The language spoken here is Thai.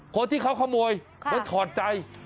พอที่เขาขโมยเขาถอดใจ